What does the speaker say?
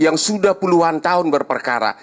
yang sudah puluhan tahun berperkara